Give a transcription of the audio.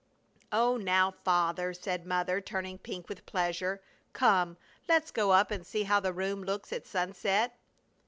"Oh, now, Father!" said Mother, turning pink with pleasure. "Come, let's go up and see how the room looks at sunset!"